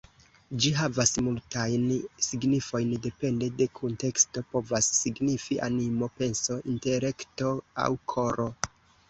Ĝi havas multajn signifojn, depende de kunteksto, povas signifi ‘animo’, ‘penso’, ‘intelekto’ aŭ ‘koro’.